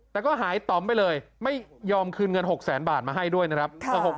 แต่ก็หายต่อมไปเลยไม่ยอมคืนเงิน๖แสนบาทมาให้ด้วยนะครับ